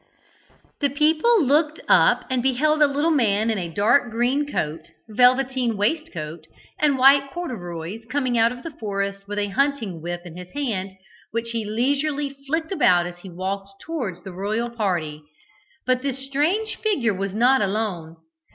The people looked up and beheld a little man in a dark green coat, velveteen waistcoat, and white corduroys, coming out of the forest with a hunting whip in his hand, which he leisurely flicked about as he walked towards the royal party. But this strange figure was not alone.